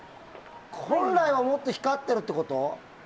本来はもっと光ってるってこと？